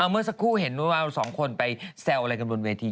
เมื่อสักครู่เห็นว่าเราสองคนไปแซวอะไรกันบนเวที